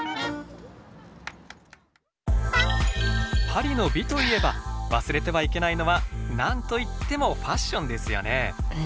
パリの美といえば忘れてはいけないのは何と言ってもファッションですよね。